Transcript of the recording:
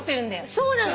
そうなの。